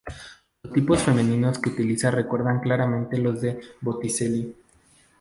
Los tipos femeninos que utiliza recuerdan claramente los de Botticelli.